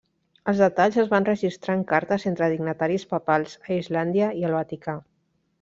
Els detalls es van registrar en cartes entre dignataris papals a Islàndia i el Vaticà.